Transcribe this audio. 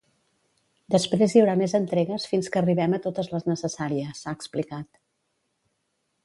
“Després hi haurà més entregues fins que arribem a totes les necessàries”, ha explicat.